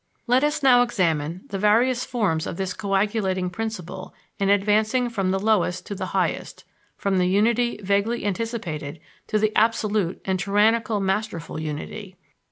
Let us now examine the various forms of this coagulating principle in advancing from the lowest to the highest, from the unity vaguely anticipated to the absolute and tyrannical masterful unity.